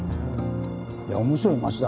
いや面白い町だ。